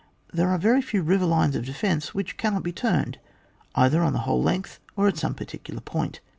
There are very few river lines of defence which cannot be turned either on the whole length or at some particular point.